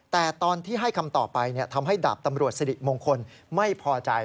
แต่ตอนที่ให้คำต่อไปทำให้ดาบตำรวจสิริมงคลไม่พอใจ